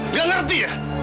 gak ngerti ya